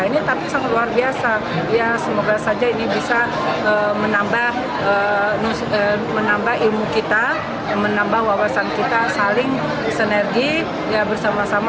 ini tapi sangat luar biasa ya semoga saja ini bisa menambah ilmu kita menambah wawasan kita saling sinergi bersama sama